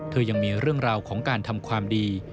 ยังมีเรื่องราวของการทำความดี